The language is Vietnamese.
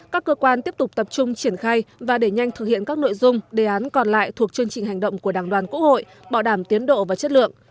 các cơ quan tiếp tục tập trung triển khai và để nhanh thực hiện các nội dung đề án còn lại thuộc chương trình hành động của đảng đoàn quốc hội bảo đảm tiến độ và chất lượng